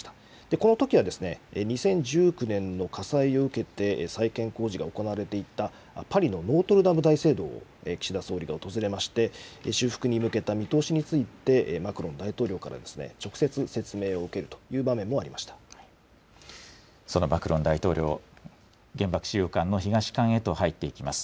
このときは２０１９年の火災を受けて再建工事が行われていたパリのノートルダム大聖堂を岸田総理が訪れまして、修復に向けた見通しについてマクロン大統領から直接説明を受けるという場面もありそのマクロン大統領、原爆資料館の東館へと入っていきます。